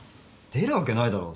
出るわけないだろ！